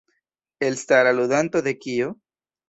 Elstara ludanto de Kio?